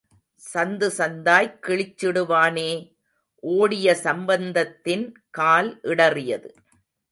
சந்து சந்தாய்க் கிழிச்சுடுவானே... ஓடிய சம்பந்தத்தின் கால் இடறியது.